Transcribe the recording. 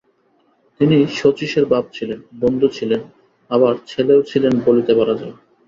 তিনি শচীশের বাপ ছিলেন, বন্ধু ছিলেন, আবার ছেলেও ছিলেন বলিতে পারা যায়।